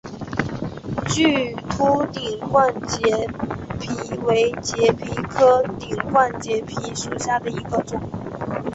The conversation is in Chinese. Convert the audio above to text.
巨突顶冠节蜱为节蜱科顶冠节蜱属下的一个种。